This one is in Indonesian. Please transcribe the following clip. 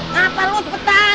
ngapain lu cepetan